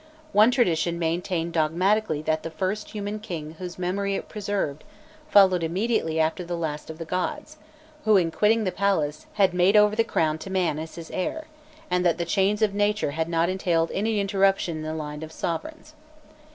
One tradition maintained dogmatically that the first human king whose memory it preserved, followed immediately after the last of the gods, who, in quitting the palace, had made over the crown to man as his heir, and that the change of nature had not entailed any interruption in the line of sovereigns.